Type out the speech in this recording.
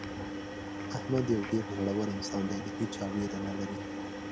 احمد یو ډېر زړور انسان دی له هېچا ویره نه لري.